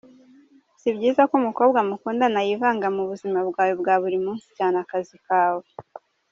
Sibyiza ko umukobwa mukundana yivanga mu buzima bwawe bwa buri munsi, cyane akazi kawe.